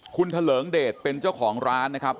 คุณเถลิงเดชเป็นเจ้าของร้านนะครับ